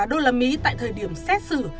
đô la mỹ tại thời điểm xét xử